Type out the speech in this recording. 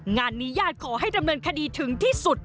งานนี้ญาติขอให้ดำเนินคดีถึงที่สุด